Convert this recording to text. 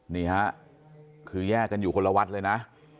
นี่ฮะคือแยกกันอยู่คนละวัดเลยนะ